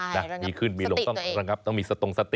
สติตัวเอง